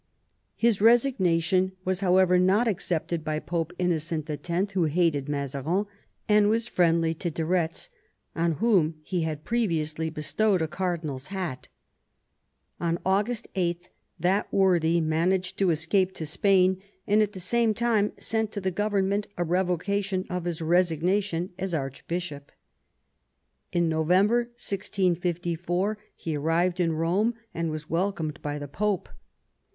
His resignation was, however, not accepted by Pope Innocent X., who hated Mazarin and was friendly to de Retz, on whom he had previously bestowed a cardinal's hat. On August 8 that worthy managed to escape to Spain, and at the same time sent to the government a revocation of his resignation as archbishop. In November 1654 he arrived in Rome, and was welcomed by the Pope.